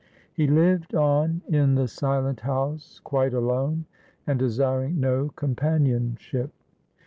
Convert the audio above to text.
He lived on in the silent house, quite alone and desiring no companionship.